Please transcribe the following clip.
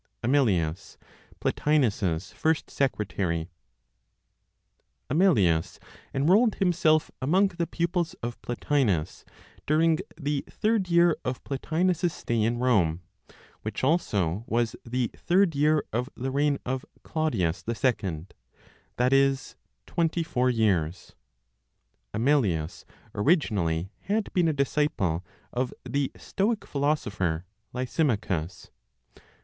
AMELIUS, PLOTINOS'S FIRST SECRETARY. Amelius enrolled himself among the pupils of Plotinos during the third year of Plotinos's stay in Rome, which also was the third year of the reign of Claudius II, that is, 24 years. Amelius originally had been a disciple of the Stoic philosopher Lysimachus.